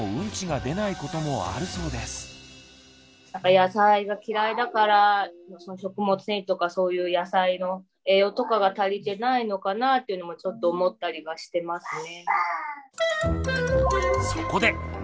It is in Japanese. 野菜が嫌いだから食物繊維とかそういう野菜の栄養とかが足りてないのかなというのもちょっと思ったりはしてますね。